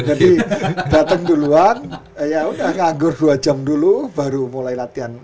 jadi datang duluan ya udah nganggur dua jam dulu baru mulai latihan